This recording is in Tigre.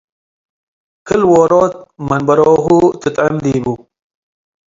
ክል-ዎሮት መንበሮሁ ትጥዕም ዲቡ።